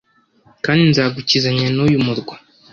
Kandi nzagukizanya n uyu murwa